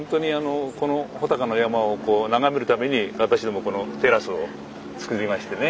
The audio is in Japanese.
この穂高の山を眺めるために私どもこのテラスを作りましてね。